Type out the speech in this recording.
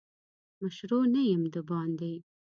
مشرو نه یم دباندي.